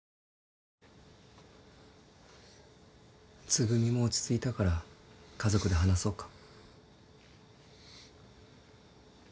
つぐみも落ち着いたから家族で話そうか。